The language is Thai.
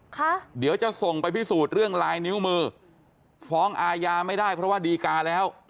ค่ะเดี๋ยวจะส่งไปพิสูจน์เรื่องลายนิ้วมือฟ้องอาญาไม่ได้เพราะว่าดีกาแล้ว